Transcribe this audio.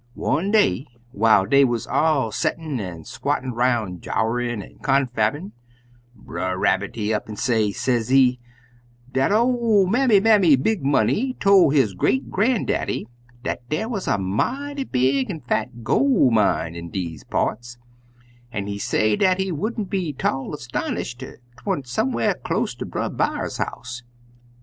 One day, whiles dey wuz all settin' an' squottin' 'roun', jowerin' an' confabbin', Brer Rabbit, he up 'n' say, sezee, dat ol' Mammy Bammy Big Money tol' his great gran'daddy dat dar wuz a mighty big an' fat gol' mine in deze parts, an' he say dat he wouldn't be 'tall 'stonished ef 'twant some'rs close ter Brer B'ar's house.